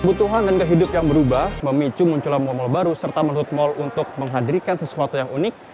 kebutuhan dan gahidup yang berubah memicu munculnya mal mal baru serta menutup mal untuk menghadirkan sesuatu yang unik